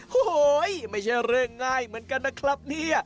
โหยไม่ใช่เรื่องง่ายเหมือนกันนะครับเนี่ย